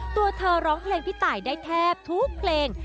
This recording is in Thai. ตัวเธอร้องเพลงพี่ตายได้แทบทุกเพลง